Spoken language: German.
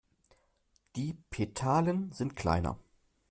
Die Petalen sind kleiner.